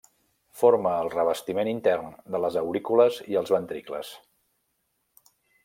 Forma el revestiment intern de les aurícules i els ventricles.